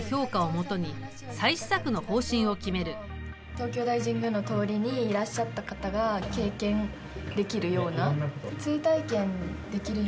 東京大神宮の通りにいらっしゃった方が感じにしたいから。